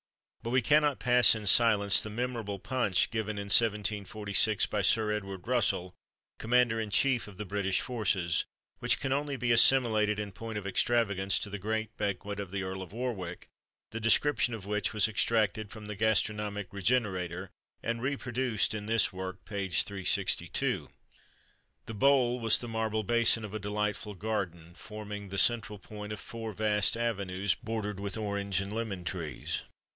But we cannot pass in silence the memorable punch given in 1746 by Sir Edward Russell, Commander in Chief of the British forces, which can only be assimilated in point of extravagance to the great banquet of the Earl of Warwick, the description of which was extracted from the "Gastronomic Regenerator," and reproduced in this work, page 362. The bowl was the marble basin of a delightful garden, forming the central point of four vast avenues, bordered with orange and lemon trees.